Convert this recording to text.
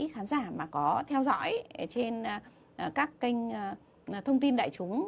nếu như khán giả mà có theo dõi trên các kênh thông tin đại chúng